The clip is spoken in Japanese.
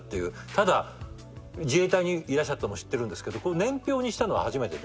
ただ自衛隊にいらっしゃったの知ってるんですけど年表にしたのは初めてで。